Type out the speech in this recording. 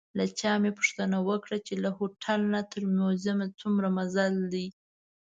له چا مې پوښتنه وکړه چې له هوټل نه تر موزیم څومره مزل دی.